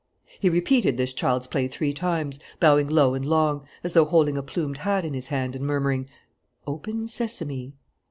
He repeated this child's play three times, bowing low and long, as though holding a plumed hat in his hand, and murmuring: "Open sesame!"